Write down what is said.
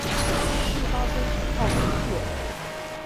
是八仙塵爆圖片